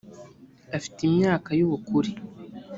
afite imyaka y ubukure